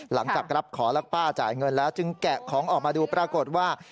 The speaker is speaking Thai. หลังจากรับขอแล้วป้าจ่ายเงินแล้วจึงแกะของออกมาดูปรากฏว่า